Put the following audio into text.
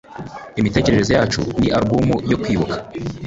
imitekerereze yacu ni alubumu yo kwibuka